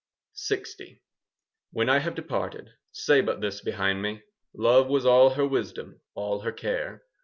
LX When I have departed, Say but this behind me, "Love was all her wisdom, All her care.